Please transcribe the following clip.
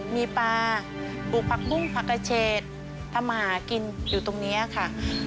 มีปลาปลูกผักปุ้งผักเกอร์เชศผักหมากินอยู่ตรงนี้ค่ะ